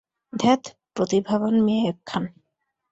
ধ্যাৎ, প্রতিভাবান মেয়ে একখান।